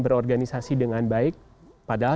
berorganisasi dengan baik padahal